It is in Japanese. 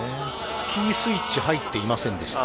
「キースイッチ入っていませんでした」。